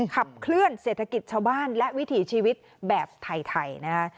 ขับเคลื่อนเศรษฐกิจชาวบ้านและวิถีชีวิตแบบไทยนะคะ